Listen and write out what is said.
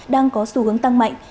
đang có xu hướng tăng mạnh